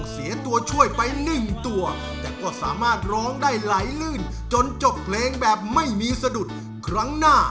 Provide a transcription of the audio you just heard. สวัสดีค่ะ